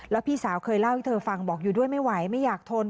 แล้วพี่สาวเคยเล่าให้เธอฟังบอกอยู่ด้วยไม่ไหวไม่อยากทน